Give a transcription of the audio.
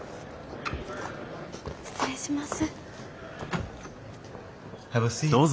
失礼します。